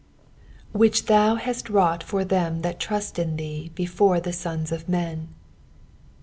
" Which thi,a hait wrought for tA<m that trust in thee before the eon* of men."